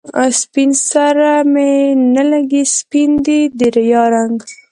سپين سره می نه لګي، سپین دی د ریا رنګ